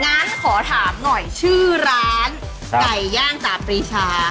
งั้นขอถามหน่อยชื่อร้านไก่ย่างจาปรีชา